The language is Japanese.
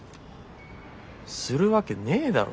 するわけねえだろ